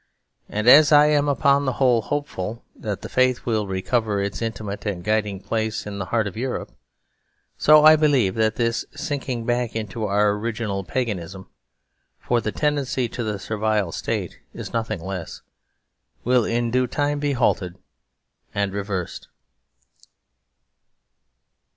And as I am upon the whole hopeful that the Faith will recover its intimateandguidingplace in the heart of Europe, so I believe that this sinking back into our original Paganism (for the tendency to the Servile State is nothing less) will in due time be halted and reversed.